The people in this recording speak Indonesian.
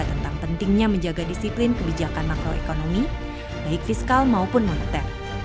tentang pentingnya menjaga disiplin kebijakan makroekonomi baik fiskal maupun moneter